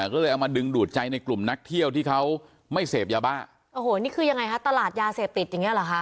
ก็เลยเอามาดึงดูดใจในกลุ่มนักเที่ยวที่เขาไม่เสพยาบ้าโอ้โหนี่คือยังไงคะตลาดยาเสพติดอย่างเงี้เหรอคะ